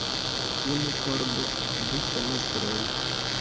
Unu pordo, du fenestroj.